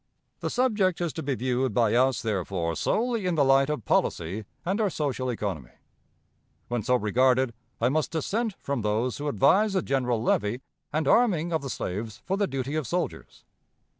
"The subject is to be viewed by us, therefore, solely in the light of policy and our social economy. When so regarded, I must dissent from those who advise a general levy and arming of the slaves for the duty of soldiers.